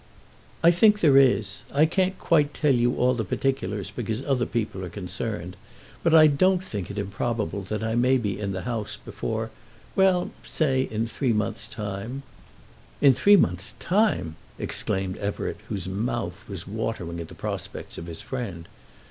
"I think there is. I can't quite tell you all the particulars because other people are concerned, but I don't think it improbable that I may be in the House before ; well, say in three months' time." "In three months' time!" exclaimed Everett, whose mouth was watering at the prospects of his friend.